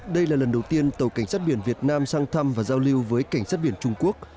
đây là lần đầu tiên tàu cảnh sát biển việt nam sang thăm và giao lưu với cảnh sát biển trung quốc